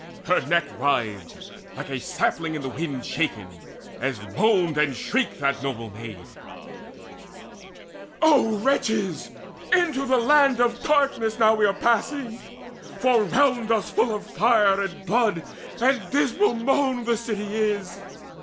Her neck writhed, like a sapling in the wind Shaken, as moaned and shrieked that noble maid: "O wretches! into the Land of Darkness now We are passing; for all round us full of fire And blood and dismal moan the city is.